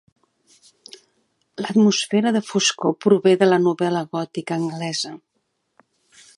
L'atmosfera de foscor prové de la novel·la gòtica anglesa.